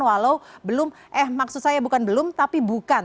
walau belum eh maksud saya bukan belum tapi bukan